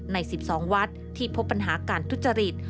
ใน๑๒วัดที่พบปัญหาการทุจริต